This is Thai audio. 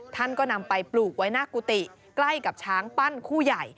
ท่านก็นำไปปลูกไว้หน้ากุฏิใกล้กับช้างปั้นคู่ใหญ่